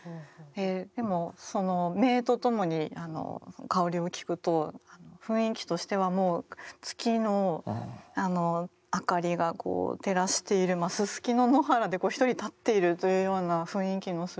でもその名と共に香りを聞くと雰囲気としてはもう月の明かりがこう照らしているススキの野原でこう一人立っているというような雰囲気のする。